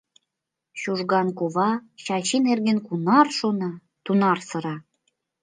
Чужган кува Чачи нерген кунар шона, тунар сыра...